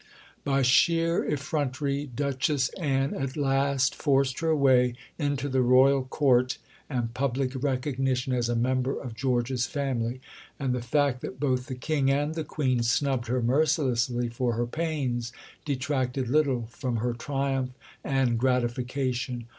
By sheer effrontery Duchess Anne at last forced her way into the Royal Court and public recognition as a member of George's family; and the fact that both the King and the Queen snubbed her mercilessly for her pains, detracted little from her triumph and gratification.